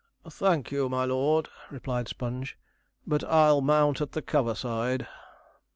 'Thank you, my lord,' replied Sponge; 'but I'll mount at the cover side.